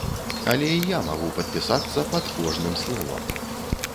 Але і я магу падпісацца пад кожным словам.